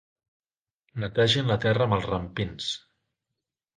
Netegin la terra amb els rampins.